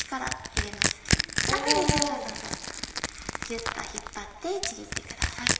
ぎゅっと引っ張ってちぎってください。